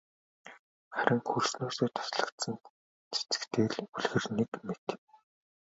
Харин хөрснөөсөө таслагдсан цэцэгтэй л үлгэр нэг мэт.